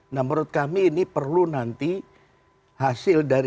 nah menurut kami ini perlu nanti hasil dari